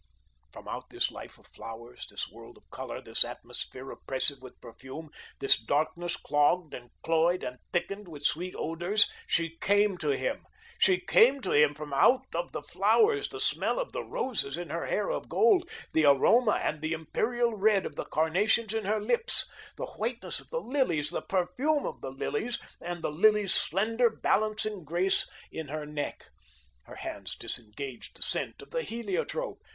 From out this life of flowers, this world of colour, this atmosphere oppressive with perfume, this darkness clogged and cloyed, and thickened with sweet odours, she came to him. She came to him from out of the flowers, the smell of the roses in her hair of gold, the aroma and the imperial red of the carnations in her lips, the whiteness of the lilies, the perfume of the lilies, and the lilies' slender, balancing grace in her neck. Her hands disengaged the scent of the heliotrope.